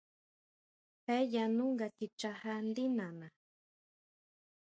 Je yanú nga kichajá ndí nana.